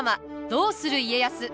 「どうする家康」。